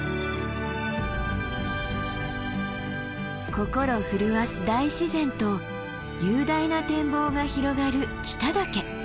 心震わす大自然と雄大な展望が広がる北岳。